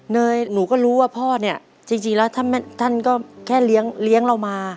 เนยหนูก็รู้ว่าพ่อเนี่ยจริงแล้วท่านก็แค่เลี้ยงเรามา